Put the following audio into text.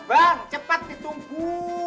bang cepat ditunggu